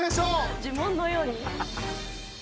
呪文のように。